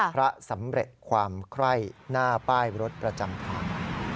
พระสำเร็จความไคร่หน้าป้ายรถประจำทาง